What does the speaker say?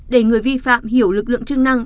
để người vi phạm hiểu lực lượng chức năng